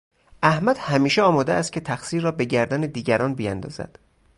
احمد همیشه آماده است که تقصیر را به گردن دیگران بیاندازد.